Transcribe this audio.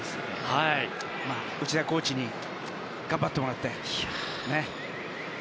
まあ、内田コーチに頑張ってもらってね。